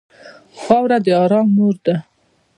خاوره د ارام مور ده.